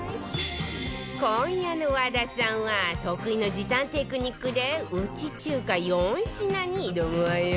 今夜の和田さんは得意の時短テクニックでうち中華４品に挑むわよ